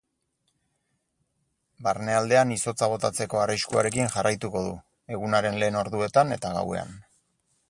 Barnealdean izotza botatzeko arriskuarekin jarraituko du, egunaren lehen orduetan eta gauean.